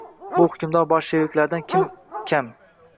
Bu hukmdor bolsheviklardan kim kam?